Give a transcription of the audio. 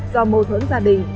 do mâu thuẫn gia đình